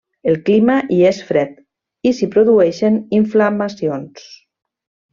El clima hi és fred, i s'hi produeixen inflamacions.